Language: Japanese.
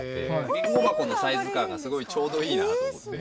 りんご箱のサイズ感がすごいちょうどいいなと思って。